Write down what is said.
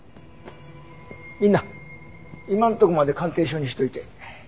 みんな今のとこまで鑑定書にしといて。